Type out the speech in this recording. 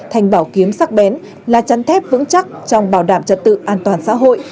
thành bảo kiếm sắc bén là chăn thép vững chắc trong bảo đảm trật tự an toàn xã hội